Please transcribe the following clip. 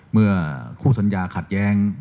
เมื่อคู่สัญญาขัดแย้ง